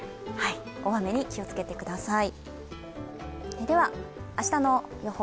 大雨に気をつけてください。